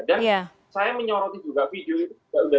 dan saya menyoroti juga video itu